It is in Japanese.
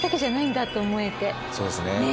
そうですね。